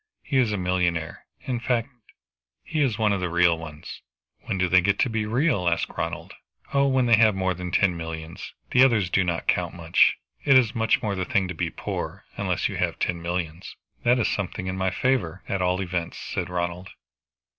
He is a millionaire. In fact he is one of the real ones." "When do they get to be real?" asked Ronald. "Oh, when they have more than ten millions. The other ones do not count much. It is much more the thing to be poor, unless you have ten millions." "That is something in my favor, at all events," said Ronald.